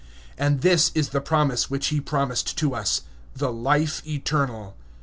(25)And this is the promise which he himself promised to us, the life eternal.